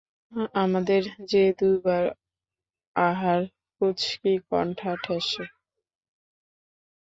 আমাদের যে দু-বার আহার কুঁচকি-কণ্ঠা ঠেসে।